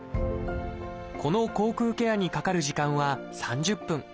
この口腔ケアにかかる時間は３０分。